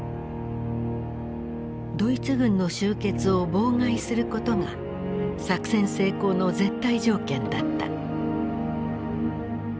ドイツ軍の集結を妨害することが作戦成功の絶対条件だった。